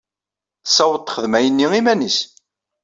Tessaweḍ texdem ayenni iman-is.